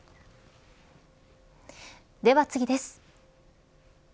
では次です。